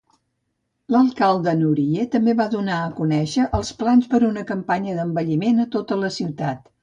L'alcalde Nuriye també va donar a conèixer els plans per a una campanya d'embelliment a tota la ciutat.